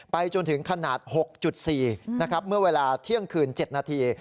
จนถึงขนาด๖๔นะครับเมื่อเวลาเที่ยงคืน๗นาที